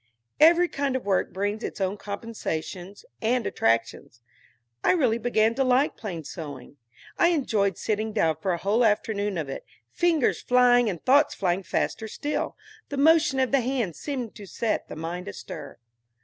Every kind of work brings its own compensations and attractions. I really began to like plain sewing; I enjoyed sitting down for a whole afternoon of it, fingers flying and thoughts flying faster still, the motion of the hands seeming to set the mind astir.